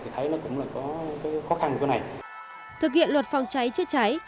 thực hiện luật phòng cháy chế cháy